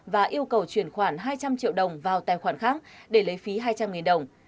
và yêu cầu chuyển khoản hai trăm linh triệu đồng vào tài khoản khác để lấy phí hai trăm linh đồng